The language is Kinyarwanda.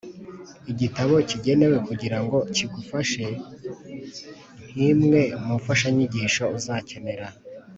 Igitabo kigenewe kugira ngo kigufashe nk’imwe mu mfashanyigisho uzakenera.